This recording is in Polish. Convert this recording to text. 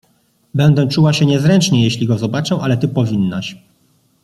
"Będę czuła się niezręcznie, jeśli go zobaczę, ale ty powinnaś."